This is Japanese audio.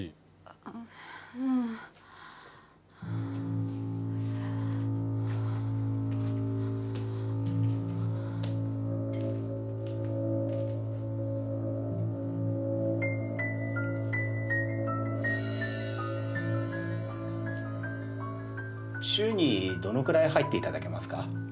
うん・週にどのくらい入っていただけますか？